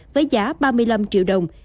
với giá ba mươi năm triệu đồng